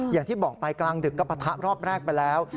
อย่างที่บอกไปกลางดึกก็ปะทะรอบแรกไปแล้ว